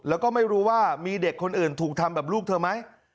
แล้วก็ไม่รู้ว่ามีเด็กคนอื่นถูกทำแบบลูกเธอไหม